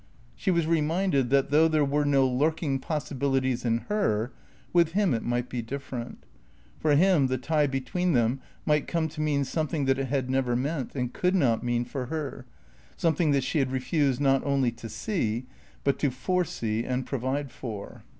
She was reminded that, though there were no lurking possibilities in her, with him it might be different. For him the tie between them might come to mean something that it had never meant and could not mean for her, something that she had refused not only to see but to foresee and provide for.